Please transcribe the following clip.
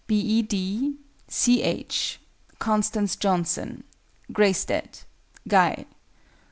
B. E. D. C. H. CONSTANCE JOHNSON. GREYSTEAD. GUY.